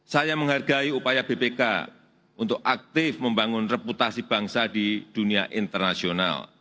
saya menghargai upaya bpk untuk aktif membangun reputasi bangsa di dunia internasional